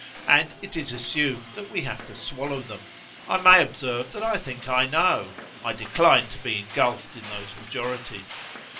And it is assumed that we have to swallow them. I may observe that I think I know. I decline to be engulphed in those majorities.